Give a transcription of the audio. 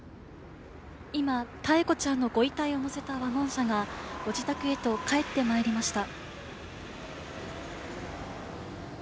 今妙子ちゃんのご遺体を乗せたワゴン車がご自宅へと帰って参りました。